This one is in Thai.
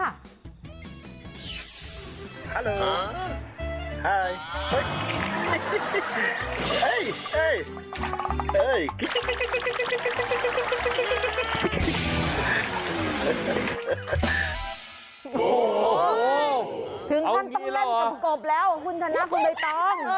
โอ้โหถึงขั้นต้องเล่นกับกบแล้วคุณชนะคุณใบตอง